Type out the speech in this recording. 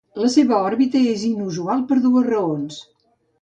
La seva òrbita és inusual per dues raons.